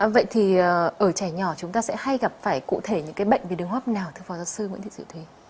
vậy thì ở trẻ nhỏ chúng ta sẽ hay gặp phải cụ thể những bệnh vì đường hốp nào thưa phó giáo sư nguyễn thị dự thúy